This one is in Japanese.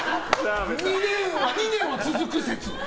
２年は続く説。